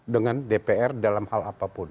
dengan dpr dalam hal apapun